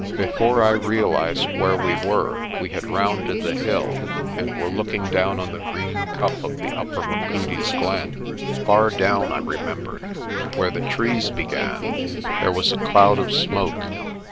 Before I realised where we were we had rounded the hill and were looking down on the green cup of the upper Machudi's glen. Far down, I remembered, where the trees began, there was a cloud of smoke.